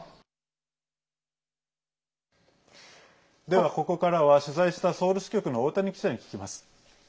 では、ここからは取材したソウル支局の大谷記者に聞きます。